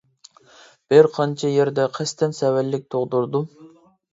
بىر قانچە يەردە قەستەن سەۋەنلىك تۇغدۇردۇم.